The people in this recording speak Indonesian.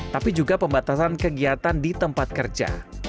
tapi juga pembatasan kegiatan di tempat kerja